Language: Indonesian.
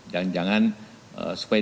dan jangan sepupu